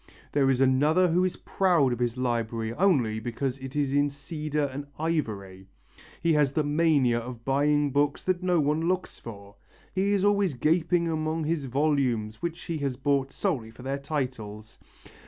There is another who is proud of his library only because it is in cedar and ivory; he has the mania of buying books that no one looks for. He is always gaping among his volumes, which he has bought solely for their titles.